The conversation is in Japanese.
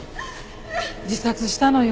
自殺したのよ。